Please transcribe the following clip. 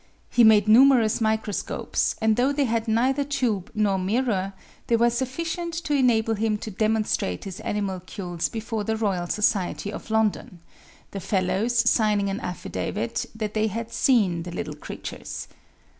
He made numerous microscopes, and though they had neither tube nor mirror, they were sufficient to enable him to demonstrate his animalcules before the Royal Society of London, the Fellows signing an affidavit that they had seen the little creatures.